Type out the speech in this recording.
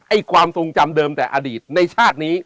ความทรงจำเดิมแต่อดีตในชาตินี้